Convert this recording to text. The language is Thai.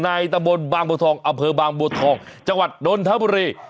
ในตะบนบางบวทองอเภอบางบวทองจังหวัดนทบุรี